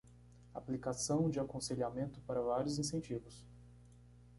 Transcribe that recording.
Aplicação de aconselhamento para vários incentivos